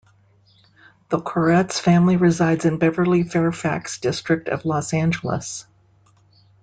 The Koretz family resides in the Beverly-Fairfax District of Los Angeles.